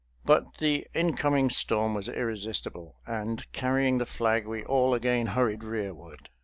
But the oncoming storm was irresistible, and, carrying the flag, we all again hurried rearward.